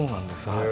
はい